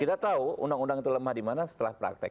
kita tahu undang undang itu lemah dimana setelah praktek